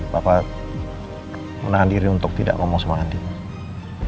papa menahan diri untuk tidak ngomong sama andien